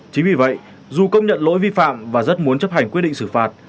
chính vì vậy dù công nhận lỗi vi phạm và rất muốn chấp hành quyết định xử phạt